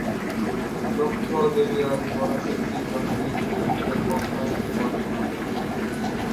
দক্ষ দেবী আদি পরাশক্তি জননী কে নিজের কন্যা রূপে প্রার্থনা করেন।